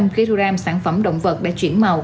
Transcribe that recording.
chín trăm linh kg sản phẩm động vật đã chuyển màu